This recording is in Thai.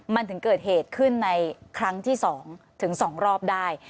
มันถึงเกิดเหตุขึ้นในครั้งที่๒ถึง๒รอบได้